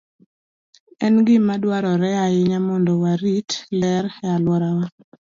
En gima dwarore ahinya mondo warit ler e alworawa.